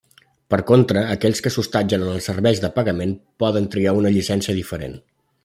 Per contra, aquells que s'hostatgen en els serveis de pagament poden triar una llicència diferent.